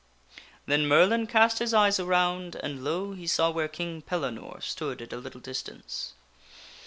Then Merlin cast his eyes around and lo ! he saw where King Pellinore stood at a little distance.